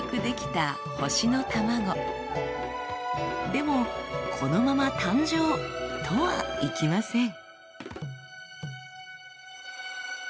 でもこのまま誕生とはいきません。